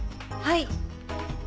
はい。